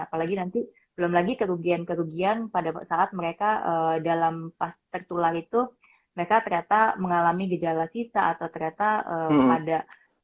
apalagi nanti belum lagi kerugian kerugian pada saat mereka dalam pas tertular itu mereka ternyata mengalami gejala sisa atau ternyata ada